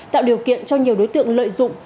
tạo điều kiện cho nhiều đối tượng lợi dụng